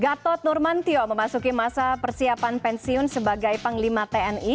gatot nurmantio memasuki masa persiapan pensiun sebagai panglima tni